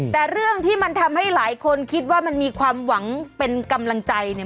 แต่เรื่องที่มันทำให้หลายคนคิดว่ามันมีความหวังเป็นกำลังใจเนี่ย